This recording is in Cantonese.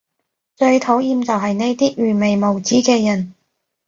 最討厭就係呢啲愚昧無知嘅人